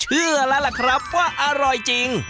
เชื่อแล้วล่ะครับว่าอร่อยจริง